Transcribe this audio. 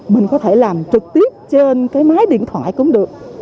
mình có thể làm trực tiếp trên cái máy điện thoại cũng được